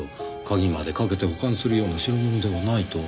鍵までかけて保管するような代物ではないと。